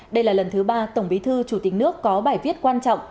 đây là lần thứ ba tổng bí thư chủ tịch nước có bài viết quan trọng